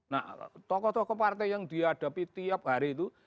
nah tokoh tokoh partai yang dihadapi tiap hari itu